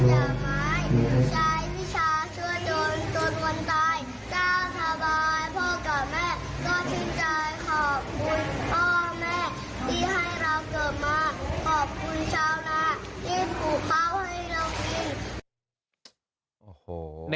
ใจพิชาชั่วโจรจนวนตายเจ้าสบายพ่อกับแม่